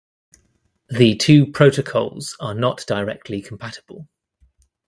The two protocols are not directly compatible.